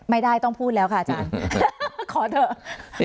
ไม่ได้ต้องพูดแล้วค่ะอาจารย์ขอเถอะ